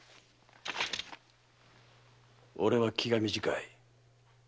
俺は気が短い。